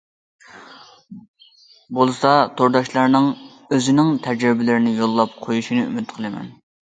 بولسا تورداشلارنىڭ ئۆزىنىڭ تەجرىبىلىرىنى يوللاپ قويۇشىنى ئۈمىد قىلىمەن.